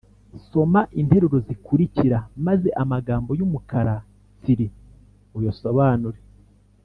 soma interuro zikurikira maze amagambo y’umukara tsiri uyasobanure